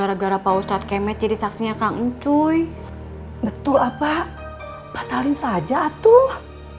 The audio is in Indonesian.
para pak ustadz k costa jadi saksinya kak encuy betul apa matalin saja tuh